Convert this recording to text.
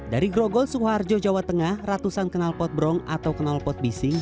dari grogol sukoharjo jawa tengah ratusan kenalpot bronk atau kenalpot bising